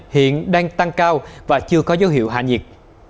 hiện đang tăng cao và chưa có dấu hiệu hạ nhiệt